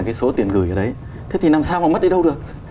cái số tiền gửi ở đấy thế thì làm sao mà mất đi đâu được